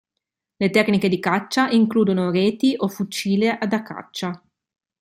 Le tecniche di caccia includono reti o fucile da caccia.